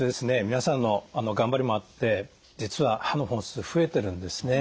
皆さんの頑張りもあって実は歯の本数増えてるんですね。